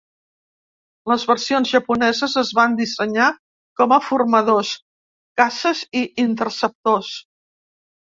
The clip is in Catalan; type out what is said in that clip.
Les versions japoneses es van dissenyar com a formadors, caces i interceptors.